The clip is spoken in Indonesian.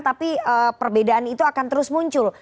tapi perbedaan itu akan terus muncul